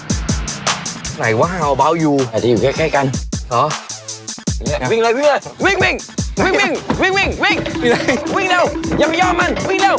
วิ่งวิ่งวิ่งเร็วยังไม่ยอมมัน